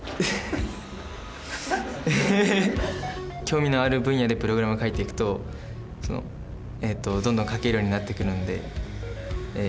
興味のある分野でプログラム書いていくとそのえっとどんどん書けるようになってくるんでえ